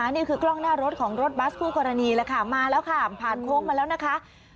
อันนี้แหละค่ะมาแล้วค่ะผ่านโค้งมาแล้วนะคะ